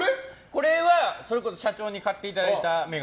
これは、それこそ社長に買っていただいた眼鏡。